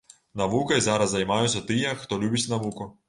Навукай зараз займаюцца тыя, хто любіць навуку.